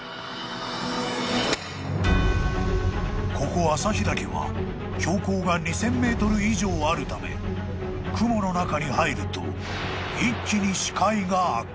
［ここ旭岳は標高が２，０００ｍ以上あるため雲の中に入ると一気に］